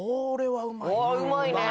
うまいね。